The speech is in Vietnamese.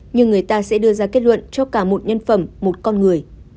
nhưng người ta sẽ đưa ra kết luận cho cả một nhân phẩm một con người